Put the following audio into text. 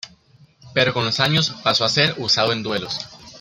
Pero con los años pasó a ser usado en duelos.